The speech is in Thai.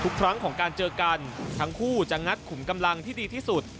ทุกครั้งของการเจอกันทั้งคู่จะงัดขุมกำลังที่ดีที่สุด